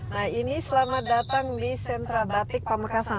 nah ini selamat datang di sentra batik pamekasan